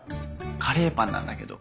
カレーパンなんだけど。